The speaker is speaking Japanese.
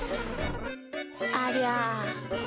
ありゃ。